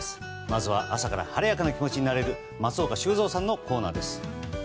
まずは朝から晴れやかな気持ちになれる松岡修造さんのコーナーです。